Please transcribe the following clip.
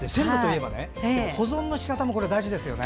保存のしかたも大事ですよね。